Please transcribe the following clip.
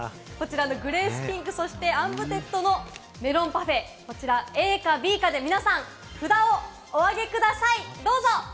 グレースピンク、そしてＥＮＶＥＤＥＴＴＥのメロンパフェ、ＡかＢかで皆さん、札をお上げください、どうぞ！